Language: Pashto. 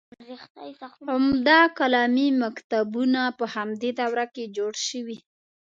عمده کلامي مکتبونه په همدې دوره کې جوړ شوي.